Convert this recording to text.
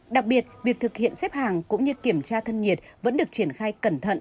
đặc biệt việc thực hiện xếp hàng cũng như kiểm tra thân nhiệt vẫn được triển khai cẩn thận